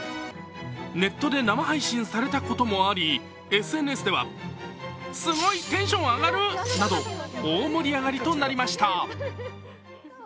ネットで生配信されたこともあり、ＳＮＳでは大盛り上がりとなりました